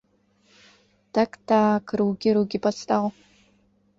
Так-так, рукі, рукі, падстаў.